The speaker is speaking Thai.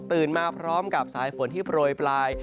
มาพร้อมกับสายฝนที่โปรยปลาย